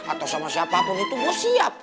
atau sama siapapun itu mau siap